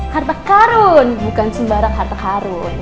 harta karun bukan sembarang harta harun